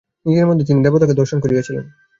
নিজের মধ্যে তিনি দেবতাকে দর্শন করিয়াছিলেন।